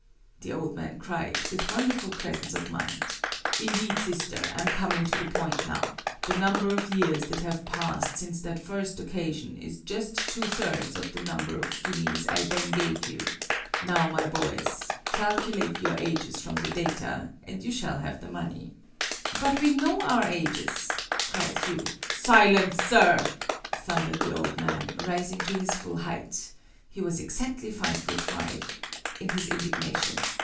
the old man cried, with wonderful presence of mind. "Indeed, sister, I'm coming to the point now! The number of years that have passed since that first occasion is just two thirds of the number of guineas I then gave you. Now, my boys, calculate your ages from the data, and you shall have the money!" "But we know our ages!" cried Hugh. "Silence, sir!" thundered the old man, rising to his full height (he was exactly five foot five) in his indignation.